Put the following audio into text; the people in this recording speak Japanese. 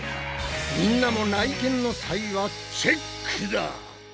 みんなも内見の際はチェックだ！